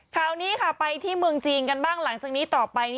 คราวนี้ค่ะไปที่เมืองจีนกันบ้างหลังจากนี้ต่อไปนี้